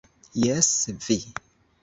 Jes, vi!